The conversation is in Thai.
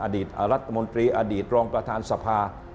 อดีตรัฐมนตรีอดีตรองประธานสภา